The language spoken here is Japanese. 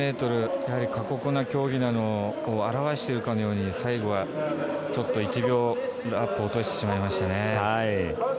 やはり過酷な競技なのを表しているかのように最後は、ちょっと１秒ラップを落としてしまいましたね。